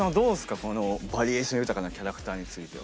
このバリエーション豊かなキャラクターについては。